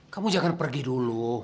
kamu jangan pergi dulu